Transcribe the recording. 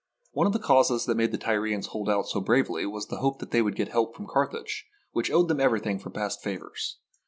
One of the causes that made the Tyrians hold out so bravely was the hope that they would get help from Carthage, which owed them everything for past favours.